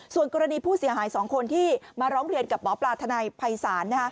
ส่วนกรณีผู้เสียหาย๒คนที่มาร้องเรียนกับหมอปลาทนายภัยศาล